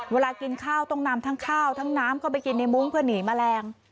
เวลากินข้าวต้องนำทั้งข้าวทั้งน้ำเข้าไปกินในมุ้งเพื่อหนีแมลง